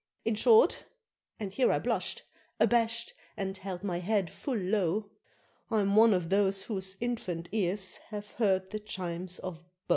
In short," and here I blush'd, abash'd and held my head full low, "I'm one of those whose infant ears have heard the chimes of Bow!"